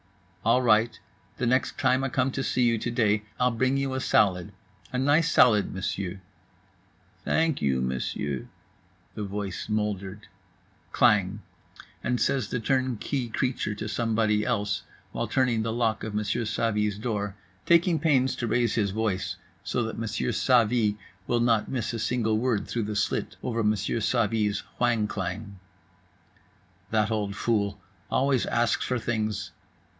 "All right, the next time I come to see you to day I'll bring you a salad, a nice salad, Monsieur." "Thank you, Monsieur," the voice moldered. Klang!!—and says the turnkey creature to somebody else; while turning the lock of Monsieur Savy's door; taking pains to raise his voice so that Monsieur Savy will not miss a single word through the slit over Monsieur Savy's whang klang: "That old fool! Always asks for things.